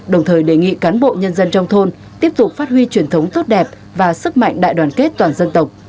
đồng thời đề nghị cán bộ nhân dân trong thôn tiếp tục phát huy truyền thống tốt đẹp và sức mạnh đại đoàn kết toàn dân tộc